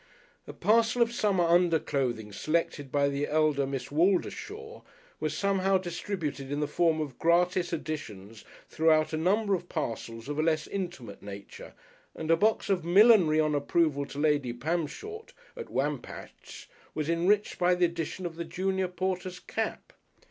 A parcel of summer underclothing selected by the elder Miss Waldershawe, was somehow distributed in the form of gratis additions throughout a number of parcels of a less intimate nature, and a box of millinery on approval to Lady Pamshort (at Wampachs) was enriched by the addition of the junior porter's cap....